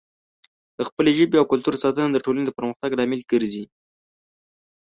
د خپلې ژبې او کلتور ساتنه د ټولنې د پرمختګ لامل ګرځي.